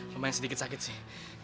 lumayan sedikit sakit sih